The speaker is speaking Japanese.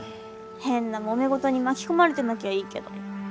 変なもめ事に巻き込まれてなきゃいいけど。